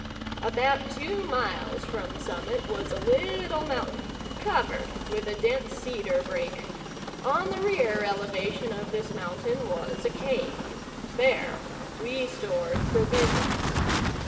About two miles from Summit was a little mountain, covered with a dense cedar brake. On the rear elevation of this mountain was a cave. There we stored provisions.